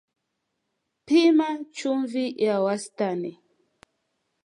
Pima chumvi ya wastani